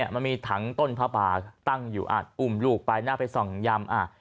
มันมีถังต้นผ้าป่าตั้งอยู่อุ้มลูกไปน่าไปส่องยำ